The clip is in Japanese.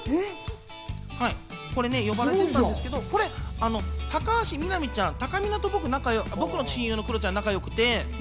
これ呼ばれてったんですけど、高橋みなみちゃん、たかみなと僕の親友のクロちゃんが仲が良くて。